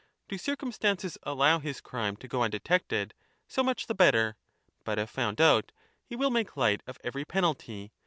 Do circumstances allow his crime to go undetected, so much the better ; but if found out, he will make light of every penalty.